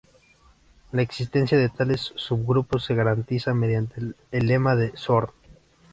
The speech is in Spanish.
La existencia de tales subgrupos se garantiza mediante el lema de Zorn.